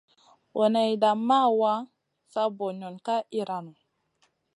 Boneyda ma wa, sa banion ka iyranou.